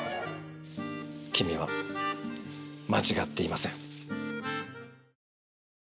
「君は間違っていません」。